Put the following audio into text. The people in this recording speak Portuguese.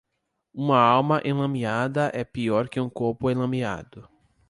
Uma alma enlameada é pior que um corpo enlameado.